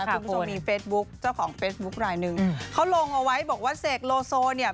คุณผู้ชมมีเฟซบุ๊คเจ้าของเฟซบุ๊คลายหนึ่งเขาลงเอาไว้บอกว่าเสกโลโซเนี่ย